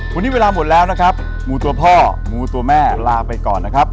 วันนี้เวลาหมดแล้วนะครับหมูตัวพ่อหมูตัวแม่ลาไปก่อนนะครับ